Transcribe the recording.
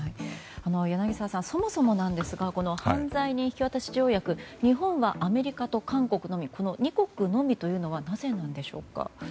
柳澤さん、そもそもですが犯罪人引渡条約日本はアメリカと韓国の２国のみというのはなぜなんでしょうか。